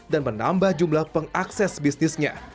dan menambah jumlah pengakses bisnisnya